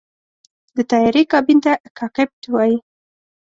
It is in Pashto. د طیارې کابین ته “کاکپټ” وایي.